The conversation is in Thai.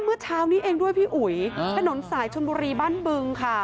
เมื่อเช้านี้เองด้วยพี่อุ๋ยถนนสายชนบุรีบ้านบึงค่ะ